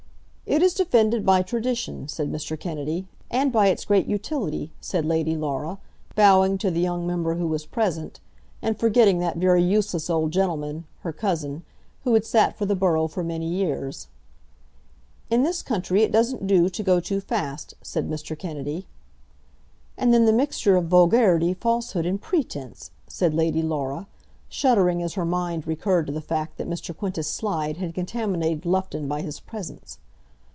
"It is defended by tradition," said Mr. Kennedy. "And by its great utility," said Lady Laura, bowing to the young member who was present, and forgetting that very useless old gentleman, her cousin, who had sat for the borough for many years. "In this country it doesn't do to go too fast," said Mr. Kennedy. "And then the mixture of vulgarity, falsehood, and pretence!" said Lady Laura, shuddering as her mind recurred to the fact that Mr. Quintus Slide had contaminated Loughton by his presence.